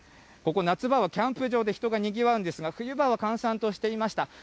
ここ、夏場はキャンプ場で人がにぎわうんですが、冬場は閑散としていました。